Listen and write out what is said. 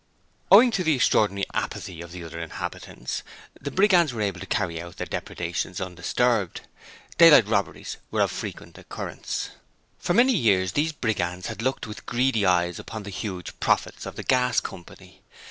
Owing to the extraordinary apathy of the other inhabitants, the Brigands were able to carry out their depredations undisturbed. Daylight robberies were of frequent occurrence. For many years these Brigands had looked with greedy eyes upon the huge profits of the Gas Company.